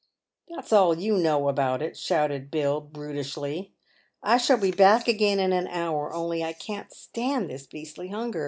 f2 68 • PAVED WITH GOLD. " That's all you know about it," shouted Bill, brutishly. " I shall be back again in an hour, only I can't stand this beastly hunger.